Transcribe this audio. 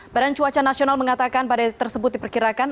badan cuaca nasional mengatakan badai tersebut diperkirakan